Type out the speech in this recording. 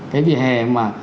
cái vỉa hè mà